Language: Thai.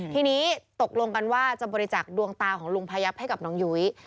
ทีนี้ตกลงกันว่าจะบริจักษ์ดวงตาของลุงพยับให้กับน้องยุ้ย